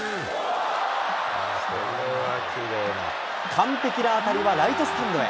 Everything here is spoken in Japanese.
完璧な当たりはライトスタンドへ。